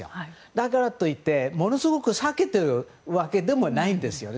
だからといってものすごく避けているわけでもないんですよね。